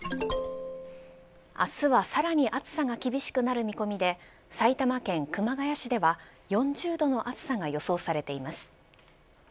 明日はさらに暑さが厳しくなる見込みで埼玉県熊谷市では４０度の暑さが予想されています。